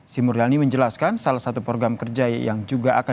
sri mulyani menjelaskan salah satu program kerja yang juga akan